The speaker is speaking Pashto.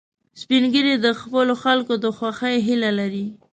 سپین ږیری د خپلو خلکو د خوښۍ هیله لري